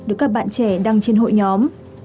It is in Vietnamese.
được các bạn trẻ đăng trên hội nhóm